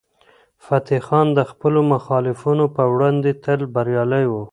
فتح خان د خپلو مخالفینو په وړاندې تل بریالی و.